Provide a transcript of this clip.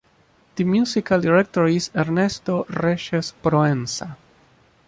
The musical director is Ernesto Reyes Proenza.